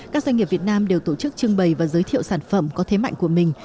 các doanh nghiệp việt nam đều tổ chức trưng bày và giới thiệu sản phẩm có thế mạnh của mình